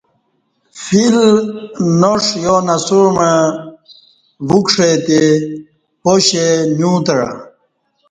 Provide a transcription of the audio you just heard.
فیل ناݜ یا نسوع مع وکݜے تہ پاشہ نیو تعہ